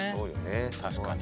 確かに。